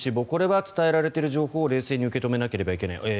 これは伝えられている情報を冷静に受け止めなければいけない。